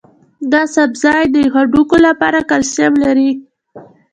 دا سبزی د هډوکو لپاره کلسیم لري.